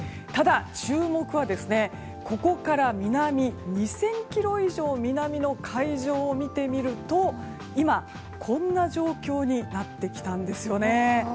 ただ、注目はここから２０００ｋｍ以上南の海上を見てみると、今こんな状況になってきたんですよね。